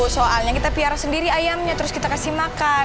soalnya kita piara sendiri ayamnya terus kita kasih makan